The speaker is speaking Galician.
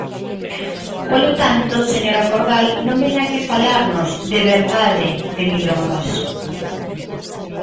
Polo tanto, señora Cordal, non veña aquí falarnos, de verdade, de milongas.